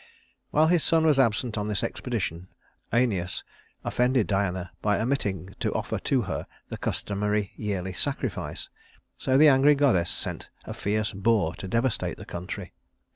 While his son was absent on this expedition, Œneus offended Diana by omitting to offer to her the customary yearly sacrifice; so the angry goddess sent a fierce boar to devastate the country.